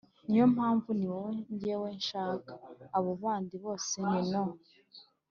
niyo mpamvu ni wowe njyewe nshaka abo bandi bose ni no